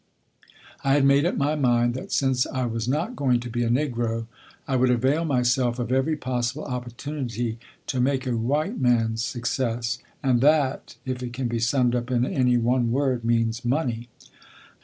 I had made up my mind that since I was not going to be a Negro, I would avail myself of every possible opportunity to make a white man's success; and that, if it can be summed up in any one word, means "money."